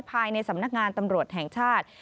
ภายในสำนักงานตำรวจแห่งชาติ